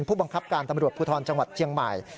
ผู้บังคับการตำรวจภูทรจังหวัดเชียงใหม่